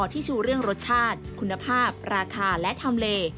ที่ชูเรื่องรสชาติคุณภาพราคาและทำเล